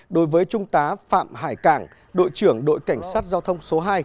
đối với trung tá phạm hải cảng đội trưởng đội cảnh sát giao thông số hai